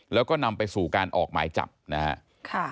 แล้วก็นำไปสู่การออกหมายจับนะครับ